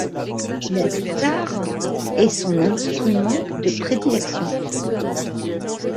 La guitare est son instrument de prédilection.